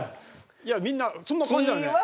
いやみんなそんな感じだよね。